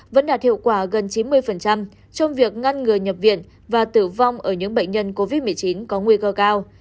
vẫn đạt hiệu quả gần chín mươi trong việc ngăn ngừa nhập viện và tử vong ở những bệnh nhân covid một mươi chín có nguy cơ cao